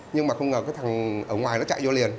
nhưng mà không ngờ cái thằng ở ngoài nó chạy vô liền